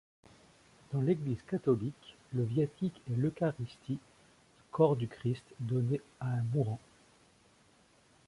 Dans l'Église catholique, le viatique est l'eucharistie, corps du Christ, donnée à un mourant.